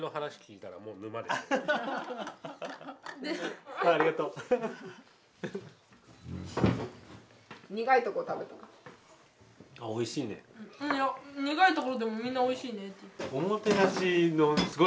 いや苦いところでもみんなおいしいねって。